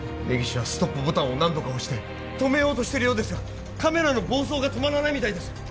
根岸はストップボタンを何度か押して止めようとしているようですがカメラの暴走が止まらないみたいです